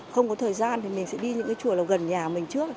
không có thời gian thì mình sẽ đi những cái chùa là gần nhà mình trước